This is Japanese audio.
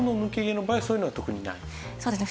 そうですね。